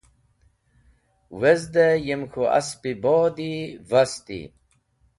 Wezdey yem k̃hũ Asp-e bodi vasti.